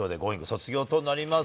卒業となります。